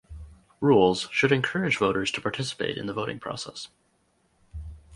Rules should encourage voters to participate in the voting process.